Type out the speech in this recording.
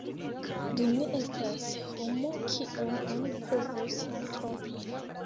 Li ne estas homo, kiun oni povus trompi.